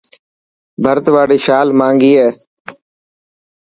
ڀرت واري شال مهانگي هي.